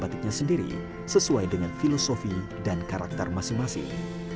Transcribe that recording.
batiknya sendiri sesuai dengan filosofi dan karakter masing masing